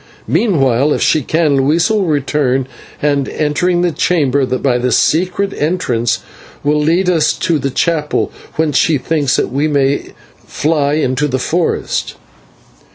Meanwhile, if she can, Luisa will return, and, entering the chamber by the secret entrance, will lead us to the chapel, whence she thinks that we may fly into the forest."